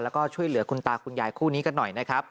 แล้วก็ช่วยเหลือคุณตาคุณยายคู่นี้กันหน่อยนะครับ